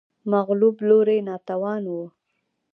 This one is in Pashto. مغلوب لوری ناتوان و